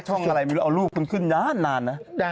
ทำไมเอารูปขึ้นนาน